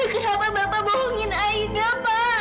kenapa bapak baru mirang sekarang sama ayda pak